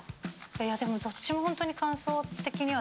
でもどっちも本当に感想的には。